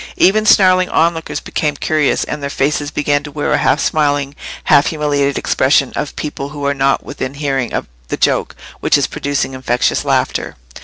Even snarling onlookers became curious, and their faces began to wear the half smiling, half humiliated expression of people who are not within hearing of the joke which is producing infectious laughter.